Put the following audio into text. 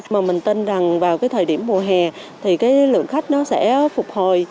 mà mình tin rằng vào cái thời điểm mùa hè thì cái lượng khách nó sẽ phục hồi